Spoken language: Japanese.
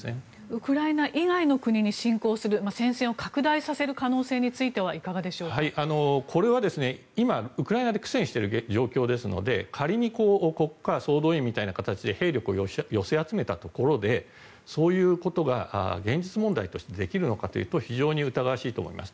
ウクライナ以外の国に侵攻する戦線を拡大させる可能性についてはこれは今、ウクライナで苦戦している状況ですので仮に国家総動員みたいな形で兵力を寄せ集めたところでそういうことが現実問題としてできるのかというと非常に疑わしいと思います。